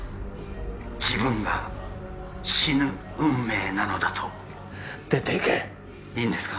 自分が死ぬ運命なのだと出ていけいいんですか？